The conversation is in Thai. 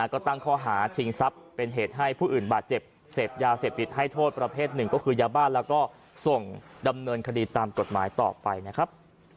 ก็ตั้งข้อหาชิงทรัพย์เป็นเหตุให้ผู้อื่นบาดเจ็บเสพยาเสพติดให้โทษประเภทหนึ่งก็คือยาบ้านแล้วก็ส่งดำเนินคดีตามกฎหมายต่อไปนะครับ